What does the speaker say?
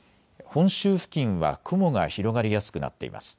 本州付近は雲が広がりやすくなっています。